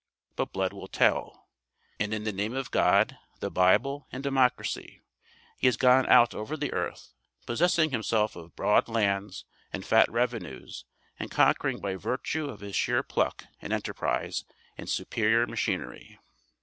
But blood will tell, and in the name of God, the Bible, and Democracy, he has gone out over the earth, possessing himself of broad lands and fat revenues, and conquering by virtue of his sheer pluck and enterprise and superior machinery.